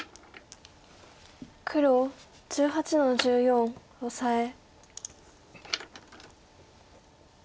黒１８の十四オサエ。